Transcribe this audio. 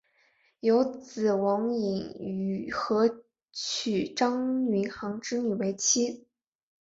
有子王尹和娶张云航之女为妻。